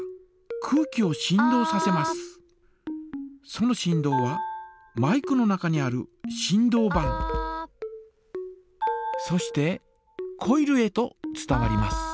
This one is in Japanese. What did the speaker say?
その振動はマイクの中にある振動板そしてコイルへと伝わります。